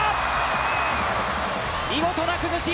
見事な崩し！